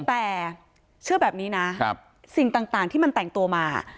แต่เชื่อแบบนี้นะสิ่งต่างที่มันแต่งตัวมา